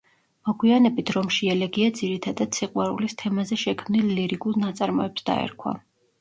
მოგვიანებით რომში ელეგია ძირითადად სიყვარულის თემაზე შექმნილ ლირიკულ ნაწარმოებს დაერქვა.